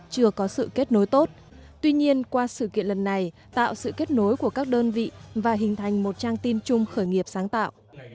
chưa có sự kết nối tốt tuy nhiên qua sự kiện lần này tạo sự kết nối của các đơn vị và hình thành một trang tin chung khởi nghiệp sáng tạo